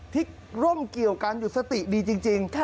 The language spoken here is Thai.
ที่ร่มเกี่ยวกันอยู่สติดีจริง